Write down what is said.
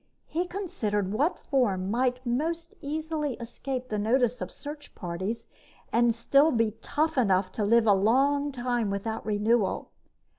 He considered what form might most easily escape the notice of search parties and still be tough enough to live a long time without renewal.